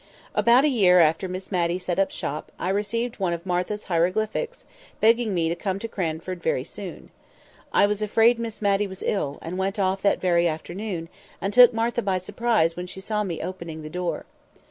About a year after Miss Matty set up shop, I received one of Martha's hieroglyphics, begging me to come to Cranford very soon. I was afraid that Miss Matty was ill, and went off that very afternoon, and took Martha by surprise when she saw me on opening the door.